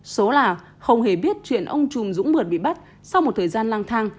số là không hề biết chuyện ông trùm dũng mượt bị bắt sau một thời gian lang thang